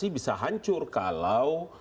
bisa hancur kalau